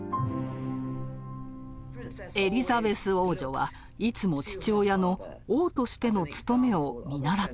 エリザベス王女はいつも父親の王としての務めを見習っていました。